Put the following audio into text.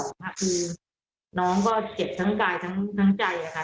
คือน้องก็เจ็บทั้งกายทั้งใจค่ะ